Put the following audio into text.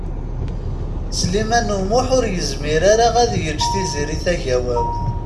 Sliman U Muḥ ur yezmir ara ad yeǧǧ Tiziri Tagawawt.